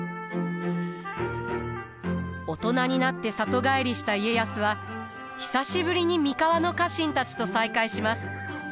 大人になって里帰りした家康は久しぶりに三河の家臣たちと再会します。